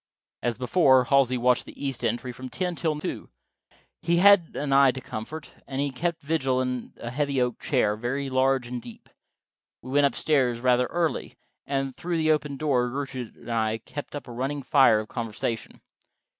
As before, Halsey watched the east entry from ten until two. He had an eye to comfort, and he kept vigil in a heavy oak chair, very large and deep. We went up stairs rather early, and through the open door Gertrude and I kept up a running fire of conversation.